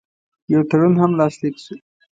یو تړون هم لاسلیک شو.